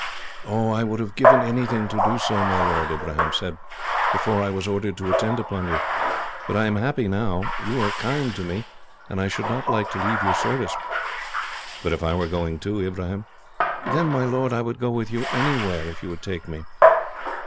"I would have given anything to do so, my lord," Ibrahim said, "before I was ordered to attend upon you. But I am happy now. You are kind to me, and I should not like to leave your service." "But if I were going too, Ibrahim?" "Then, my lord, I would go with you anywhere, if you would take me."